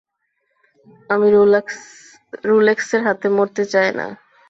আমি রোলেক্সের হাতে মরতে চাই না।